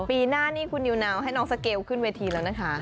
ปีหน้านี่คุณนิวนาวให้น้องสเกลขึ้นเวทีแล้วนะคะ